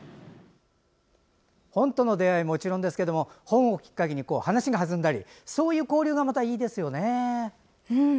本との出会いはもちろんですが本をきっかけに話が弾んだりそういう交流がまたいいですよね。